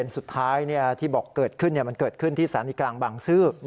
สุดท้ายที่บอกเกิดขึ้นมันเกิดขึ้นที่สถานีกลางบางซื่อ